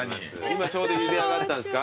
今ちょうどゆで上がったんですか？